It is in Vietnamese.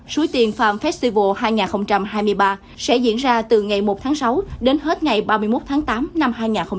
suối tiền farm festival hai nghìn hai mươi ba sẽ diễn ra từ ngày một tháng sáu đến hết ngày ba mươi một tháng tám năm hai nghìn hai mươi bốn